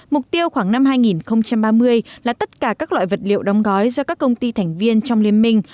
mục tiêu khoảng năm hai nghìn ba mươi là tất cả các loại vật liệu đóng gói do các công ty thành viên trong liên minh